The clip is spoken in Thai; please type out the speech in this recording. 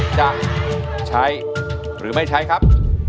จะใช้หรือไม่ใช้ครับ